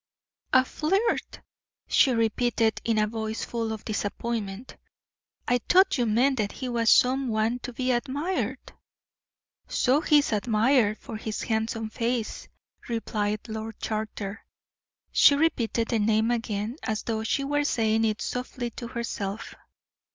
"A flirt!" she repeated, in a voice full of disappointment. "I thought you meant that he was some one to be admired." "So he is admired, for his handsome face," replied Lord Charter. She repeated the name again, as though she were saying it softly to herself.